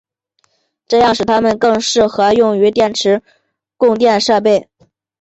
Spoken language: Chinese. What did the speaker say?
这使它们更适合于电池供电设备。